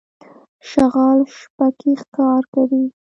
شغال شپه کې ښکار کوي.